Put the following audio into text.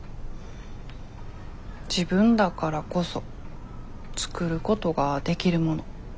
自分だからこそ作ることができるもの。